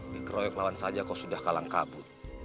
di keroyok lawan saja kau sudah kalang kabut